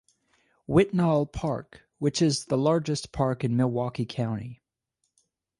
Whitnall Park, which is the largest park in Milwaukee County.